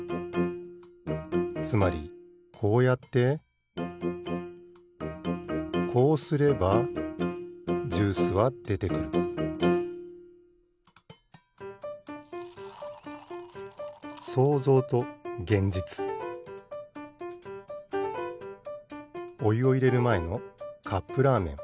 つまりこうやってこうすればジュースはでてくるおゆをいれるまえのカップラーメン。